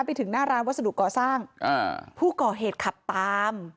ไปถึงหน้าร้านวัสดุก่อสร้างอ่าผู้ก่อเหตุขับตาม